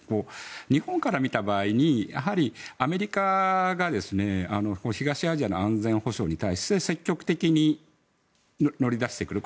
日本から見た場合にアメリカが東アジアの安全保障に対して積極的に乗り出してくる。